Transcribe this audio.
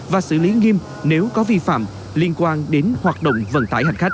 và xử lý nghiêm nếu có vi phạm liên quan đến hoạt động vận tải hành khách